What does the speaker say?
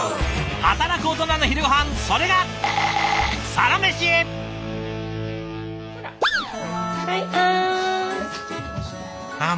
働くオトナの昼ごはんそれがはいあん。